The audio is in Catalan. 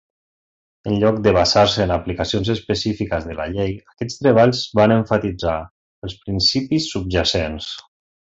En lloc de basar-se en aplicacions específiques de la llei, aquests treballs van emfatitzar els principis subjacents.